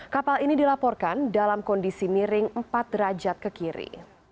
kapal ini dilaporkan dalam kondisi miring empat derajat ke kiri